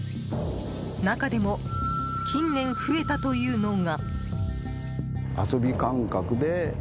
中でも、近年増えたというのが。